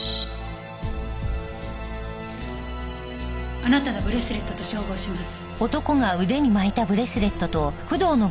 あなたのブレスレットと照合します。